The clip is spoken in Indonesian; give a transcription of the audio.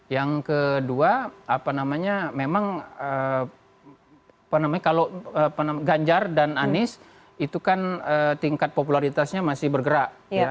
yang kedua memang kalau ganjar dan anies itu kan tingkat popularitasnya masih bergerak